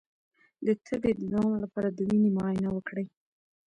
د تبې د دوام لپاره د وینې معاینه وکړئ